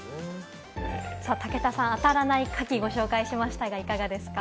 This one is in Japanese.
武田さん、あたらないカキをご紹介しましたがいかがですか？